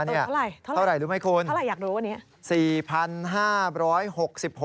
เท่าไหร่อยากรู้ว่านี้